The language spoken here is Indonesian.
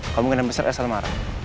kemungkinan besar elsa marah